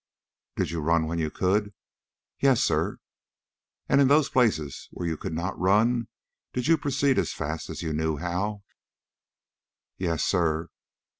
"Did you run when you could?" "Yes, sir." "And in those places where you could not run, did you proceed as fast as you knew how?" "Yes, sir."